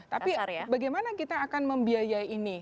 tapi bagaimana kita akan membiayai ini